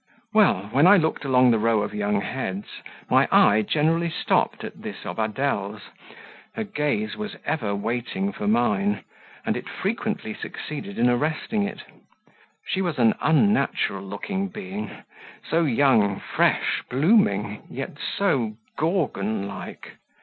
Well, when I looked along the row of young heads, my eye generally stopped at this of Adele's; her gaze was ever waiting for mine, and it frequently succeeded in arresting it. She was an unnatural looking being so young, fresh, blooming, yet so Gorgon like.